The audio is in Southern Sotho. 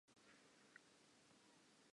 O lokela ho boloka tjhelete e kae?